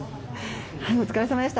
お疲れさまでした。